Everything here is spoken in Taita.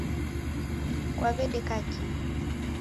Kwaw'edeka kihi?